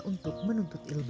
untuk menuntut ilmu